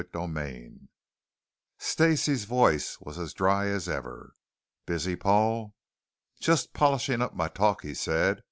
CHAPTER 8 Stacey's voice was as dry as ever, "Busy, Paul?" "Just polishing up my talk," he said.